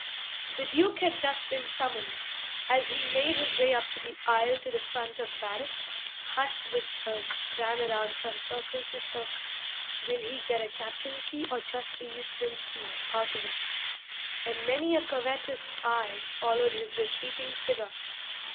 The Duke had just been summoned. As he made his way up the aisle to the front of barracks, hushed whispers ran around from circle to circle: 'Will he get a captaincy or just a lieutenancy out of it?' And many a covetous eye followed his retreating figure.